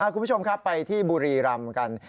คุณผู้ชมครับไปที่บุรีรำกัน